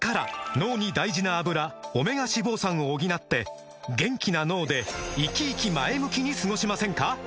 脳に大事な「アブラ」オメガ脂肪酸を補って元気な脳でイキイキ前向きに過ごしませんか？